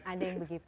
ada yang begitu